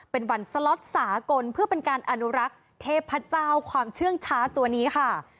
เป็นวันสล็อตสากลเพื่อเป็นการอนุรักษ์เทพเจ้าความเชื่องช้าตัวนี้ค่ะ